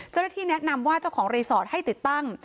เจ้าหน้าที่แนะนำว่าเจ้าของรีสอร์ทให้ติดตั้ง